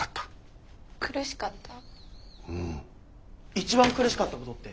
一番苦しかったことって？